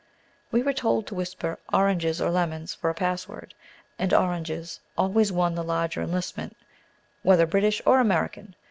We were told to whisper "Oranges" or "Lemons" for a pass word; and "Oranges" always won the larger enlistment, whether British or American.